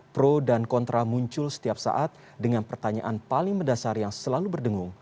pro dan kontra muncul setiap saat dengan pertanyaan paling mendasar yang selalu berdengung